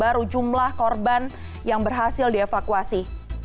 baru jumlah korban yang berhasil dievakuasi